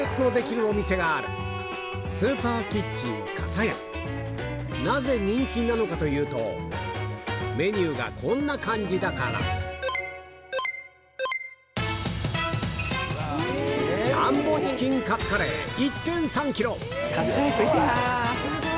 さぁがあるなぜ人気なのかというとメニューがこんな感じだからはいジャンボチキンカツカレーです。